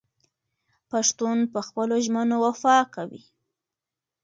پښتون په خپلو ژمنو وفا کوي.